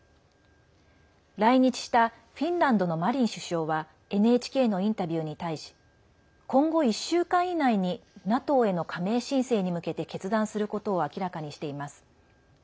来日したフィンランドのマリン首相はＮＨＫのインタビューに対し今後１週間以内にＮＡＴＯへの加盟申請に向けて決断することを明らかにしています。